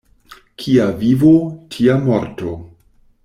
Kia vivo, tia morto.